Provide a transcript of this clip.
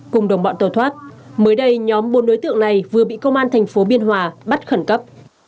cùng đồng bọn tổ thoát mới đây nhóm bốn đối tượng này vừa bị công an thành phố biên hòa bắt khẩn cấp